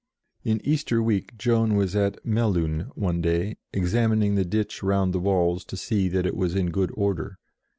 In Easter Week Joan was at Melun one day, examining the ditch round the walls to see that it was in good order.